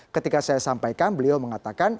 ketika saya sampaikan beliau mengatakan